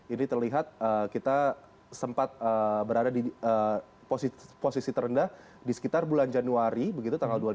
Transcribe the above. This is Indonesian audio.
ini terlihat kita sempat berada di posisi terendah di sekitar bulan januari begitu tanggal dua puluh lima